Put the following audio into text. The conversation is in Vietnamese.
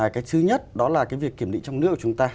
cái thứ nhất đó là cái việc kiểm định trong nước của chúng ta